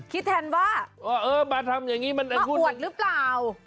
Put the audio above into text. คิดแทนว่าว่าเออมาทำอย่างนี้มันปวดหรือเปล่า